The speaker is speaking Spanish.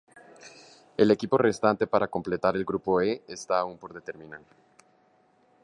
El equipo restante para completar el grupo E está aún por determinar.